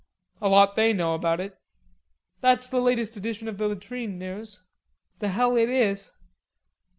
"A lot they know about it." "That's the latest edition of the latrine news." "The hell it is!